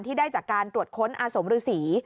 ได้จากการตรวจค้นอาสมฤษี